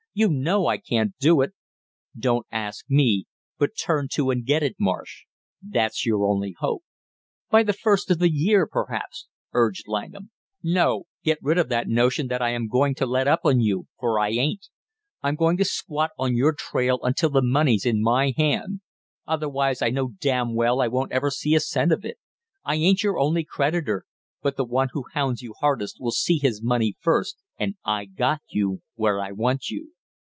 You know I can't do it!" "Don't ask me, but turn to and get it, Marsh. That's your only hope." "By the first of the year perhaps," urged Langham. "No, get rid of the notion that I am going to let up on you, for I ain't! I'm going to squat on your trail until the money's in my hand; otherwise I know damn well I won't ever see a cent of it! I ain't your only creditor, but the one who hounds you hardest will see his money first, and I got you where I want you."